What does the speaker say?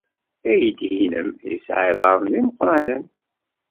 Aydi-nnem yesɛa iḍarren d imeqranen!